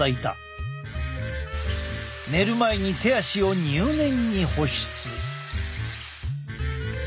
寝る前に手足を入念に保湿。